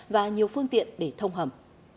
và nhiều phương tiện để thông hầm